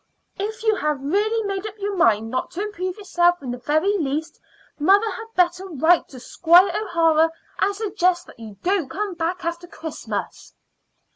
"If you have really made up your mind not to improve yourself in the very least, mother had better write to Squire O'Hara and suggest that you don't come back after Christmas."